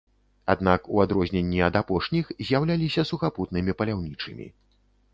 Аднак у адрозненні ад апошніх з'яўляліся сухапутнымі паляўнічымі.